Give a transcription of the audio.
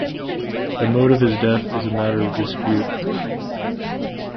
The mode of his death is a matter of dispute.